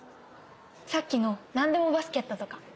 さっきのなんでもバスケットとか。